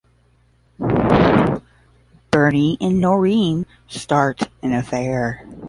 Bernie and Noreen start an affair.